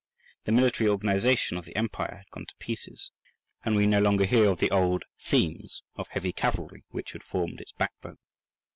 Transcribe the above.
The military organization of the empire had gone to pieces, and we no longer hear of the old "Themes" of heavy cavalry which had formed its backbone.